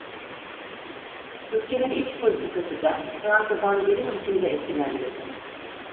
Ülkenin iç politikası da Fransa'dan derin biçimde etkilendi.